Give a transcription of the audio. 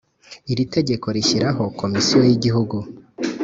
Iri tegeko rishyiraho komisiyo y igihugu